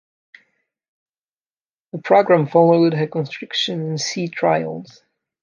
The programme followed her construction and sea trials.